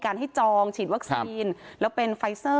การให้จองฉีดวัคซีนแล้วเป็นไฟซ่อ